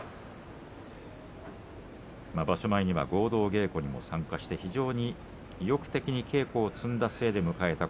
場所前には合同稽古にも参加して非常に意欲的に稽古を積んで迎えた